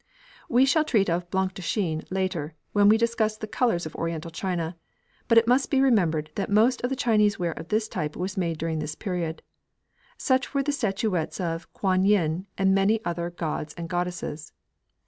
We shall treat of "blanc de chine" later, when we discuss the colours of Oriental china, but it must be remembered that most of the Chinese ware of this type was made during this period. Such were the statuettes of Kwan Yin and many other gods and goddesses.